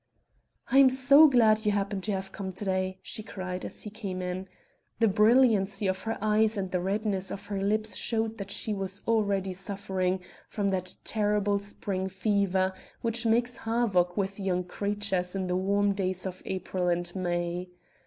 "I am so glad you happen to have come to day," she cried as he came in. The brilliancy of her eyes and the redness of her lips showed that she was already suffering from that terrible spring fever which makes havoc with young creatures in the warm days of April and May.